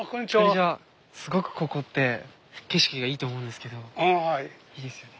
すごくここって景色がいいと思うんですけどいいですよね。